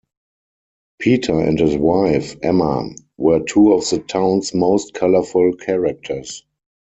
Peter and his wife, Emma, were two of the town's most colorful characters.